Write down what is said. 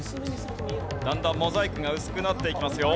だんだんモザイクが薄くなっていきますよ。